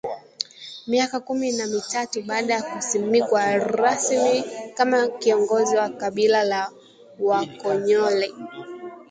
Miaka kumi na mitatu baada ya kusimikwa rasmi kama kiongozi wa kabila la Wakonyole